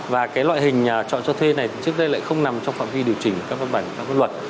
và cái loại hình nhà trọ cho thuê này trước đây lại không nằm trong phạm vi điều chỉnh các văn bản và các văn luật